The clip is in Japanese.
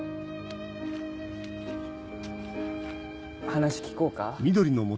話聞こうか？